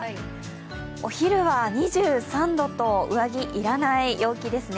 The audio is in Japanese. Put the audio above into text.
お昼は２３度と上着いらない陽気ですね。